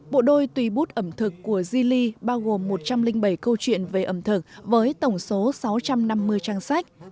bộ đôi tùy bút ẩm thực của zili bao gồm một trăm linh bảy câu chuyện về ẩm thực với tổng số sáu trăm năm mươi trang sách